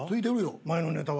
前のネタは？